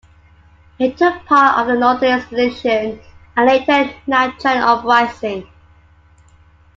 He took part of the Northern Expedition and later the Nanchang Uprising.